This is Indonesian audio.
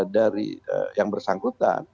dari yang bersangkutan